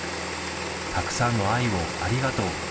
たくさんの愛をありがとう。